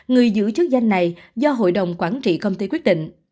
người giữ chức danh này do hội đồng quản trị công ty quyết định